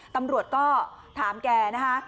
ตำรวจก็ถามแกนะคะ